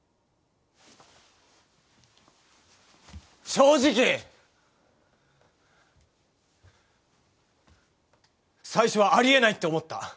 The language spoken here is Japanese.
正直最初はありえないって思った。